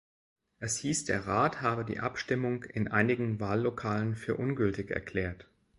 Es hieß, der Rat habe die Abstimmung in einigen Wahllokalen für ungültig erklärt.